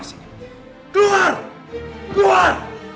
makasih ya atas kebaikan kak rama